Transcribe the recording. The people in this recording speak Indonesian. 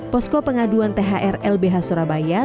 posko pengaduan thr lbh surabaya